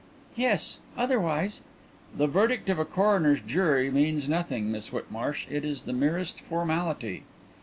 "Yes. Otherwise " "The verdict of a coroner's jury means nothing, Miss Whitmarsh. It is the merest formality."